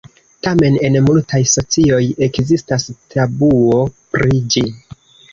Tamen, en multaj socioj ekzistas tabuo pri ĝi.